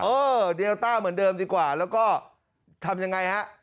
เออเดลต้าเหมือนเดิมดีกว่าแล้วก็ทำยังไงฮะ